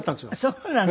そうなの？